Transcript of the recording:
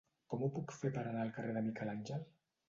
Com ho puc fer per anar al carrer de Miquel Àngel?